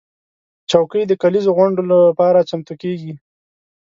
چوکۍ د کليزو غونډو لپاره چمتو کېږي.